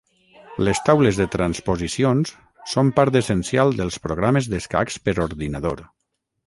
Les taules de transposicions són part essencial dels programes d'escacs per ordinador.